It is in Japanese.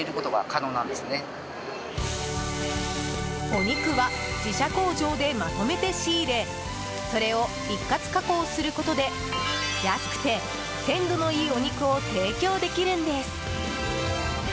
お肉は自社工場でまとめて仕入れそれを一括加工することで安くて鮮度のいいお肉を提供できるんです。